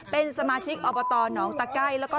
นั่งนั่งนั่งนั่งนั่งนั่ง